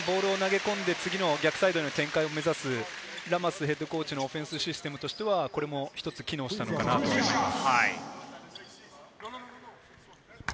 中間距離にボールを投げ込んで、次の逆サイドの展開を目指す、ラマスヘッドコーチのオフェンスシステムとしては一つ、機能したのかなと思います。